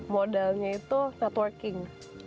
modalnya itu networking